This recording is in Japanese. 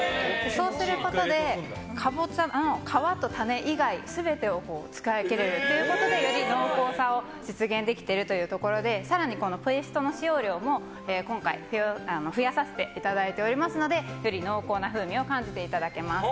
そうすることで皮と種以外全てを使い切ることができより濃厚さを実現できているというところで更にペーストの使用量も今回増やしておりますのでより濃厚な風味を感じていただけます。